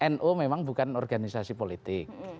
nu memang bukan organisasi politik